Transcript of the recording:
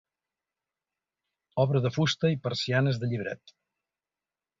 Obra de fusta i persianes de llibret.